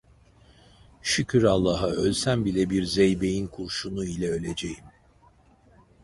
Şükür Allah’a ölsem bile bir zeybeğin kurşunu ile öleceğim!